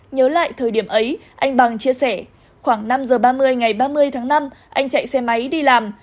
nhớ lại thời điểm ấy anh bằng chia sẻ khoảng năm giờ ba mươi ngày ba mươi tháng năm anh chạy xe máy đi làm